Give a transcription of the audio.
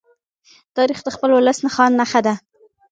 تاریخ د خپل ولس نښان نښه کوي.